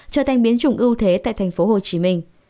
trở thành biến chủng ưu thế tại tp hcm